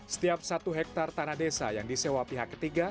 setiap satu hektare tanah desa yang disewa pihak ketiga